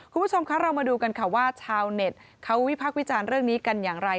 คุณผู้ชมคะเรามาดูกันค่ะว่าชาวเน็ตเขาวิพักษ์วิจารณ์เรื่องนี้กันอย่างไร